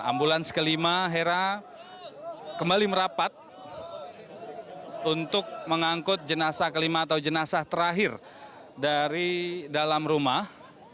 ambulans kelima hera kembali merapat untuk mengangkut jenazah kelima atau jenazah terakhir dari dalam rumah